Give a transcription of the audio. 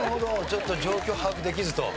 ちょっと状況把握できずと？